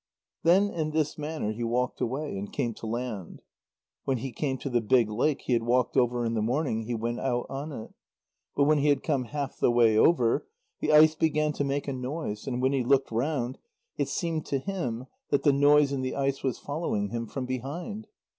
Then in this manner he walked away, and came to land. When he came to the big lake he had walked over in the morning, he went out on it. But when he had come half the way over, the ice began to make a noise, and when he looked round, it seemed to him that the noise in the ice was following him from behind.